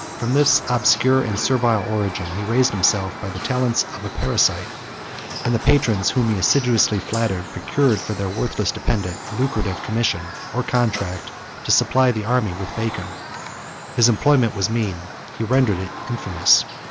From this obscure and servile origin he raised himself by the talents of a parasite; and the patrons, whom he assiduously flattered, procured for their worthless dependent a lucrative commission, or contract, to supply the army with bacon. His employment was mean; he rendered it infamous.